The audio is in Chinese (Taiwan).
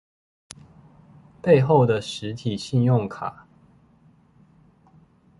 背後的實體信用卡